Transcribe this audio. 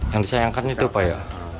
yang disayangkan itu pak ya